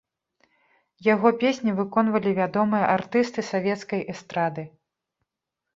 Яго песні выконвалі вядомыя артысты савецкай эстрады.